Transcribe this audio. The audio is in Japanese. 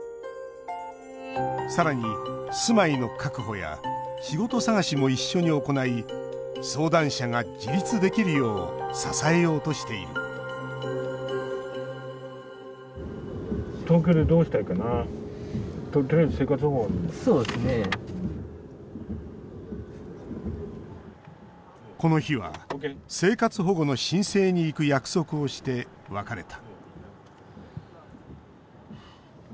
さらに、住まいの確保や仕事探しも一緒に行い相談者が自立できるよう支えようとしているこの日は、生活保護の申請に行く約束をして、別れた。